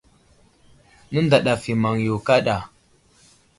Nənday ɗaf i maŋ yo kaɗa.